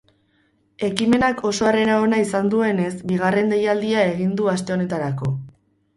Ekimenak oso harrera ona izan duenez, bigarren deialdia egin du aste honetarako.